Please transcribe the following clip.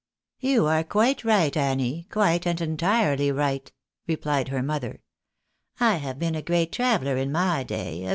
" You are quite right, Annie, quite and entirely right," re plied her mother. " I have been a great traveller in my day, a PEOPLE OF CONSEQUENCE.